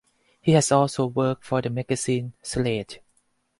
He has also worked for the magazine "Slate".